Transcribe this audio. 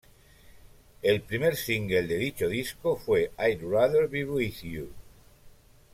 El primer single de dicho disco fue "I'd rather be with you".